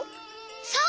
そう！